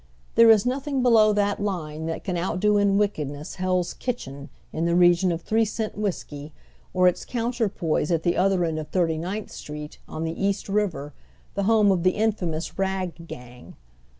There is nothing below that line that can outdo in wickedness Hell's Kitchen, in the region oy Google THE COMMON HBBD. 161 o£ three cent whiskey, or its counterpoise at the other end of Thirty ninth Street, on the East River, the home of Jhe infamous Rag Gang.